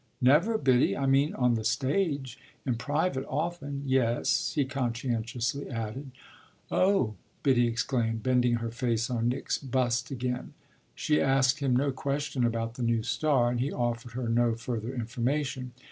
"Never, Biddy. I mean on the stage. In private often yes," he conscientiously added. "Oh!" Biddy exclaimed, bending her face on Nick's bust again. She asked him no question about the new star, and he offered her no further information.